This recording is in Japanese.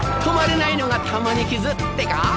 止まれないのが玉にきずってか。